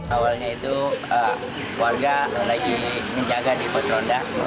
awalnya itu warga lagi menjaga di pos ronda